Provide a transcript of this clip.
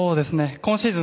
今シーズン